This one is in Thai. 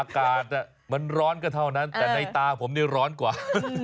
อากาศมันร้อนก็เท่านั้นแต่ในตาผมนี่ร้อนกว่า